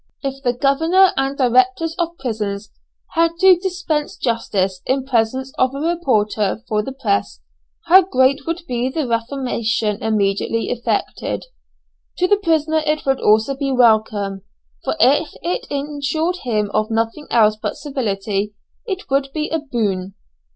If the governor and directors of prisons had to dispense justice in presence of a reporter for the press, how great would be the reformation immediately effected. To the prisoner it would also be welcome, for if it ensured him of nothing else but civility it would be a boon.